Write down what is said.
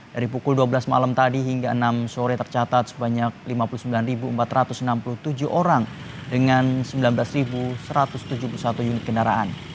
dari pukul dua belas malam tadi hingga enam sore tercatat sebanyak lima puluh sembilan empat ratus enam puluh tujuh orang dengan sembilan belas satu ratus tujuh puluh satu unit kendaraan